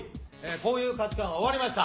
こういう価値観は終わりました。